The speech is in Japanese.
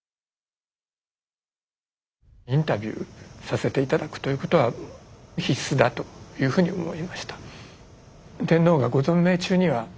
インタビューさせて頂くということは必須だというふうに思いました。